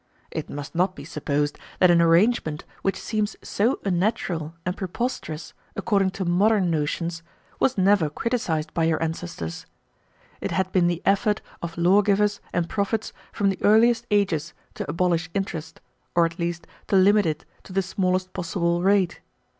It must not be supposed that an arrangement which seems so unnatural and preposterous according to modern notions was never criticized by your ancestors. It had been the effort of lawgivers and prophets from the earliest ages to abolish interest, or at least to limit it to the smallest possible rate.